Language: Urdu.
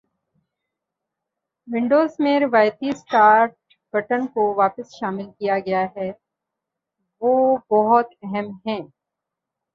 ونڈوز میں روایتی سٹارٹ بٹن کو واپس شامل کیا گیا ہے وہ بہت أہم ہیں